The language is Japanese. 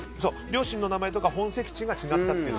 両親の名前や本籍地が違ったという。